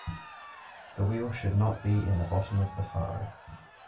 The wheel should not be in the bottom of the furrow.